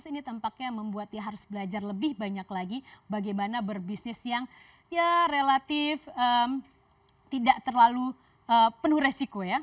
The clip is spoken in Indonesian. ini tampaknya membuat dia harus belajar lebih banyak lagi bagaimana berbisnis yang ya relatif tidak terlalu penuh resiko ya